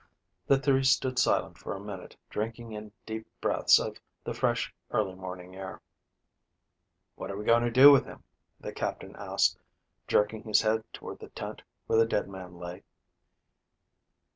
The three stood silent for a minute drinking in deep breaths of the fresh early morning air. "What are you going to do with him?" the Captain asked, jerking his head toward the tent where the dead man lay.